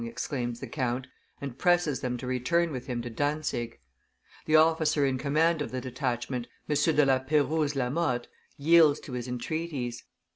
exclaims the count, and presses them to return with him to Dantzic. The officer in command of the detachment, M. de la Peyrouse Lamotte, yields to his entreaties.